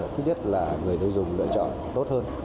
thứ nhất là người dùng lựa chọn tốt hơn